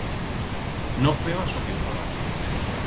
No feba soque plorar.